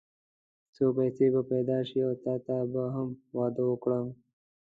څو پيسې به پيدا شي او تاته به هم واده وکړو.